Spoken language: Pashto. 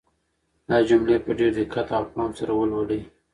دا جملې په ډېر دقت او پام سره ولولئ.